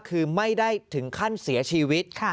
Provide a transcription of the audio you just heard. คือไม่ได้ถึงขั้นเสียชีวิต